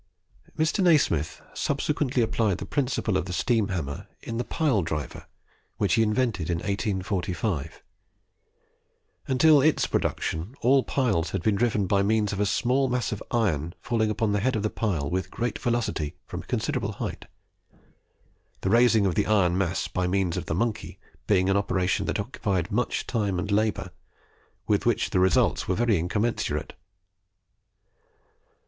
Mr. Nasmyth subsequently applied the principle of the steam hammer in the pile driver, which he invented in 1845. Until its production, all piles had been driven by means of a small mass of iron falling upon the head of the pile with great velocity from a considerable height, the raising of the iron mass by means of the "monkey" being an operation that occupied much time and labour, with which the results were very incommensurate.